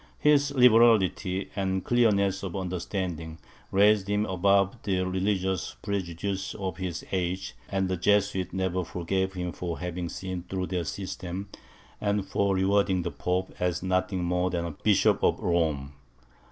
His liberality and clearness of understanding, raised him above the religious prejudices of his age; and the Jesuits never forgave him for having seen through their system, and for regarding the pope as nothing more than a bishop of Rome.